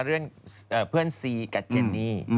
เรื่องเพื่อนซีกับเจนนี่